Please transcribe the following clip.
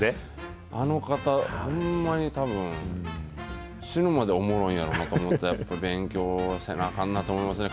あの方、ほんまにたぶん、死ぬまでおもろいんやろなと思って、やっぱ勉強せなあかんなと思いますね。